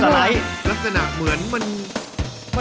ใช่พอใส่ลายบัวลงไป